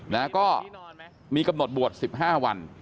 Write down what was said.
นะก็มีกำหนดบวช๑๕วัน